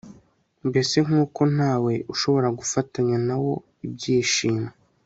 mbese nk'uko nta we ushobora gufatanya na wo ibyishimo